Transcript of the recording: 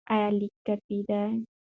ایا لیک کافي دی؟